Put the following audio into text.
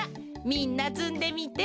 みんなつんでみて。